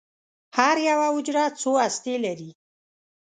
هره یوه حجره څو هستې لري.